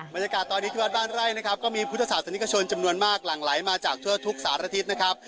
บรรยากาศตอนนี้ที่วัดบ้านไร่นะครับก็มีพุทธศาสนิกชนจำนวนมากหลั่งไหลมาจากทั่วทุกสารทิศนะครับ